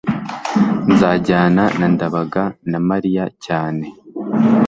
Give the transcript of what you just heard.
nzajyana na ndabaga na mariya cyane